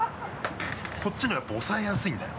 こっちの方がやっぱ押さえやすいんだよ。